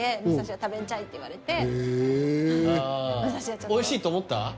「むさしを食べんちゃい」って言われておいしいと思った？